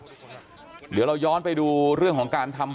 แต่ว่าวินนิสัยดุเสียงดังอะไรเป็นเรื่องปกติอยู่แล้วครับ